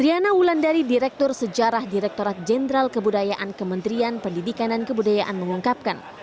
riana wulandari direktur sejarah direktorat jenderal kebudayaan kementerian pendidikan dan kebudayaan mengungkapkan